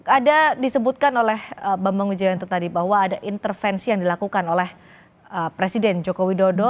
ada disebutkan oleh bambang ujian tertadi bahwa ada intervensi yang dilakukan oleh presiden jokowi dodo